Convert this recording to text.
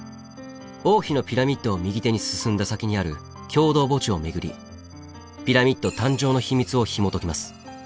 王妃のピラミッドを右手に進んだ先にある共同墓地を巡りピラミッド誕生の秘密をひもときます。